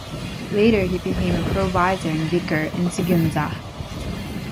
Later he became a provisor and vicar in Sigüenza.